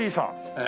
ええ。